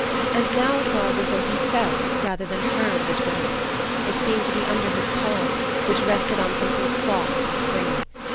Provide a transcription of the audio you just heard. And now it was as though he felt rather than heard the twittering; it seemed to be under his palm, which rested on something soft and springy.